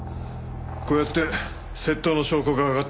こうやって窃盗の証拠が挙がってるんだ。